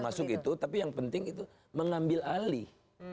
masuk itu tapi yang penting itu mengambil alih